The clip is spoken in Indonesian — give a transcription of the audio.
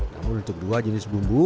namun untuk dua jenis bumbu